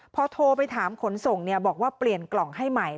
พอโทรไปถามขนส่งบอกว่าเปลี่ยนกล่องให้ใหม่